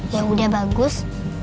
ya udah bagus